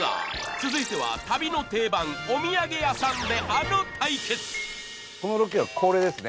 続いては旅の定番お土産屋さんであの対決このロケは恒例ですね